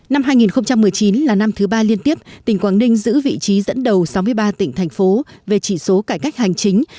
năm hai nghìn một mươi chín là năm thứ ba liên tiếp tỉnh quảng ninh giữ vị trí dẫn đầu sáu mươi ba tỉnh thành phố về chỉ số cải cách hành chính